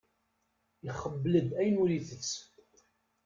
Ixebbel-d ayen ur itett.